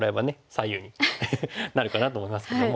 左右になるかなと思いますけども。